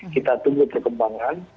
kita tunggu perkembangan